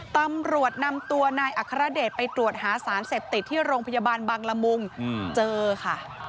ตำรวจนำตัวนายอัครเดชไปตรวจหาสารเสพติดที่โรงพยาบาลบังละมุงเจอค่ะ